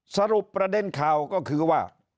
สรุปประเด็นข่าวก็คือว่า